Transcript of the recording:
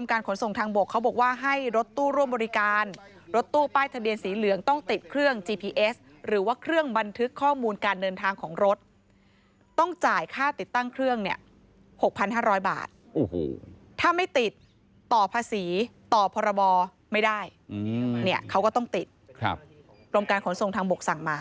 ไม่ได้เนี่ยเขาก็ต้องติดครับกรมการขนส่งทางบกสั่งมา